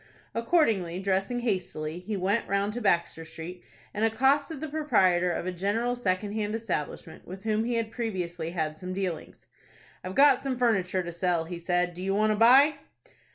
Accordingly, dressing hastily, he went round to Baxter Street, and accosted the proprietor of a general second hand establishment, with whom he had previously had some dealings. "I've got some furniture to sell," he said. "Do you want to buy?"